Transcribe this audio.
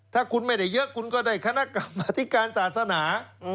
ถ้าคุณไม่ได้เยอะคุณก็ได้คณะกรรมธิการศาสนา